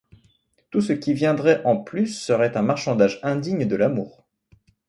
Tout ce qui viendrait en plus serait un marchandage indigne de l’amour.